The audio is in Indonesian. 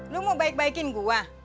lu mau baik baikin gua